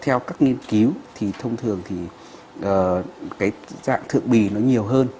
theo các nghiên cứu thì thông thường thì cái dạng thượng bì nó nhiều hơn